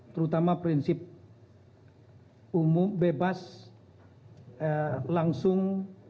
terutama prinsip umum bebas langsung